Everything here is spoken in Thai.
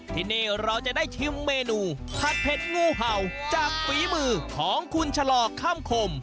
ที่นี่เราจะได้ชิมเมนูผัดเผ็ดงูเห่าจากฝีมือของคุณชะลอคำคม